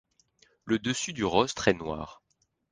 Le dessus du rostre est noir.